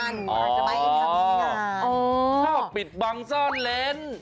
ชอบปิดบังซ่อนเล้น